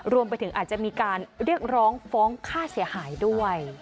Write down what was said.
รวมไปถึงอาจจะมีการเรียกร้องฟ้องค่าเสียหายด้วย